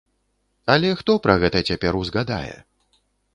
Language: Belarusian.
Але хто пра гэта цяпер узгадае?